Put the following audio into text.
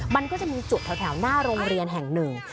มันก็จะมีจุดแถวหน้าโรงเรียนแห่งหนึ่ง